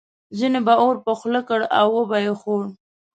ځینو به اور په خوله کړ او وبه یې خوړ.